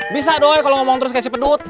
bisa doang ya kalau ngomong terus kayak si pedut